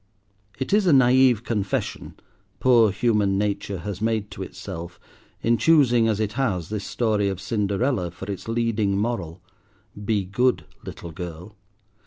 It is a naïve confession, poor Human Nature has made to itself, in choosing, as it has, this story of Cinderella for its leading moral:—Be good, little girl.